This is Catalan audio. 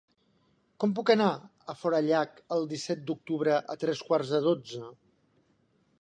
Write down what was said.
Com puc anar a Forallac el disset d'octubre a tres quarts de dotze?